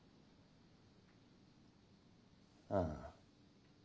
ああ。